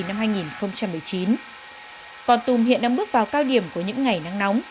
năm hai nghìn một mươi chín còn tùm hiện đang bước vào cao điểm của những ngày nắng nóng